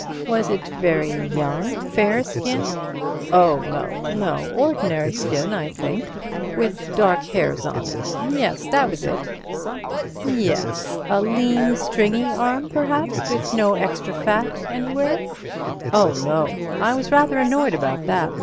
Was it very young, fair skin?" "Oh, no—no. Ordinary skin, I think—with dark hairs on it—yes, that was it." "Yes. A lean, stringy arm, perhaps, with no extra fat anywhere?" "Oh, no—I was rather annoyed about that.